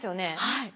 はい。